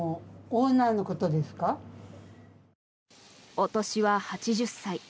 お年は８０歳。